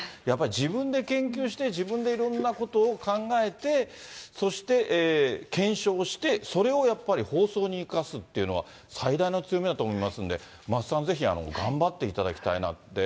やっぱり自分で研究して、自分でいろんなことを考えて、そして検証して、それをやっぱり、放送に生かすっていうのは、最大の強みだと思いますんで、桝さん、ぜひ頑張っていただきたいな。